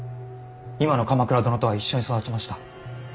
今の鎌倉殿とは一緒に育ちました。